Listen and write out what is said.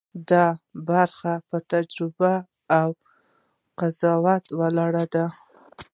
دا برخه په تجربه او قضاوت ولاړه ده.